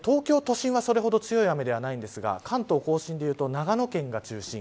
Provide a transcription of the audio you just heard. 東京都心はそれほどひどい雨ではありませんが関東甲信で言うと長野県が中心。